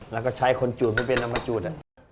แล้วก็ใช้คนจูดเพื่อเปลี่ยนน้ำมาจูด